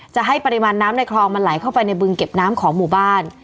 จะให้ปริมาณน้ำในคลองมันไหลเข้าไปในบึงเก็บน้ำของหมู่บ้าน